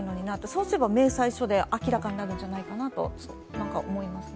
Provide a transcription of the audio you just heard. そうすれば明細書で明らかになるんじゃないかなと思います。